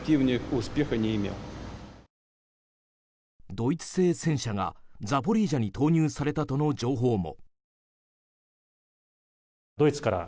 ドイツ製戦車がザポリージャに投入されたとの情報も。